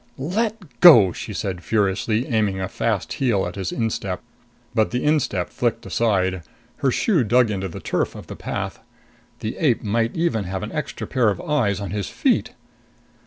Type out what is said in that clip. "Let go!" she said furiously, aiming a fast heel at his instep. But the instep flicked aside. Her shoe dug into the turf of the path. The ape might even have an extra pair of eyes on his feet!